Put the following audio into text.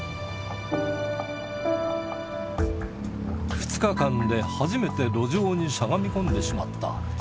２日間で初めて路上にしゃがみ込んでしまった。